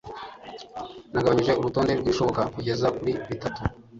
nagabanije urutonde rwibishoboka kugeza kuri bitatu